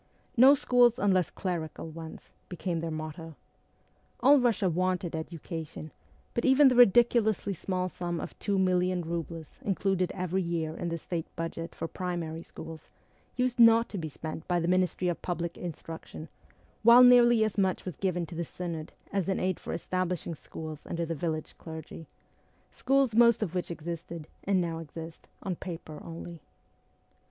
' No schools unless clerical ones ' became their motto. All Eussia wanted education , but even the ridiculously small sum of two million roubles included every year in the State budget for primary schools used not to be spent by the Ministry of Public Instruction, while nearly as much was given to the Synod as an aid for establishing schools under the village clergy schools most of which existed, and now exist, on paper only.